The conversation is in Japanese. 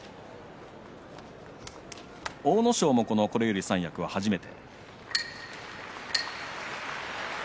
阿武咲も、これより三役は初めて。